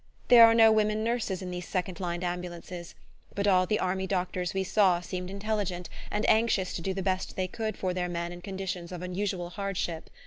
There are no women nurses in these second line ambulances, but all the army doctors we saw seemed intelligent, and anxious to do the best they could for their men in conditions of unusual hardship.